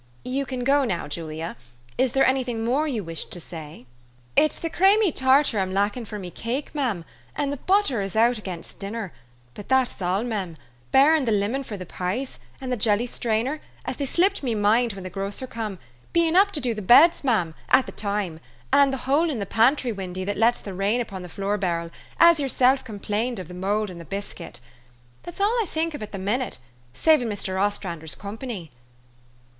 You can go now, Julia. Is there any thing more you wished to say ?"" It's the chramy tartar I am lackin* for me cake, mem ; and the butter is out against dinner : but that is all, mem, barrin' the Union for the pies, and the jelly strainer, as they slipped me mind when the grocer come, being up to do the beds, mem, at the time ; and the hole in the pantry windy that lets the rain upon the flooer barrel, as yerself complained of the mould in the biscuit. That's all I think of at the minute, savin' Mr. Ostrander's company."